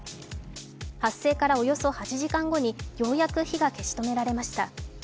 発生からおよそ８時間後にようやく火が消し止められました。